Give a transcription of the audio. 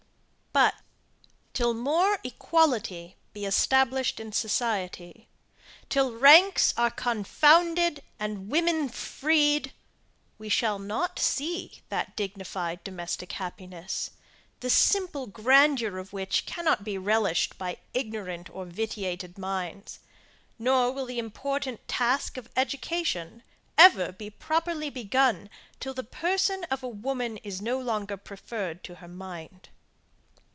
But, till more equality be established in society, till ranks are confounded and women freed, we shall not see that dignified domestic happiness, the simple grandeur of which cannot be relished by ignorant or vitiated minds; nor will the important task of education ever be properly begun till the person of a woman is no longer preferred to her mind.